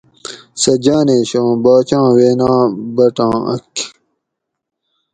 سہ جانیش اُوں باچاں وینا بٹاں اۤک